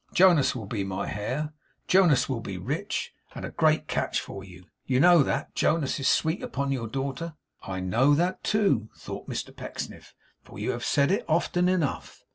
'Jonas will be my heir, Jonas will be rich, and a great catch for you. You know that. Jonas is sweet upon your daughter.' 'I know that too,' thought Mr Pecksniff, 'for you have said it often enough.